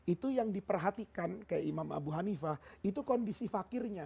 itu yang diperhatikan kayak imam abu hanifah itu kondisi fakirnya